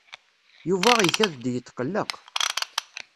Yuba ikad-d yetqelleq.